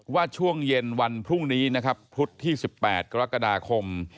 ว่าช่วงเย็นวันพรุ่งนี้นะครับพุธที่๑๘กรกฎาคม